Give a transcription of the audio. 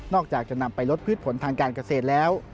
จะนำไปลดพืชผลทางการเกษตรแล้ว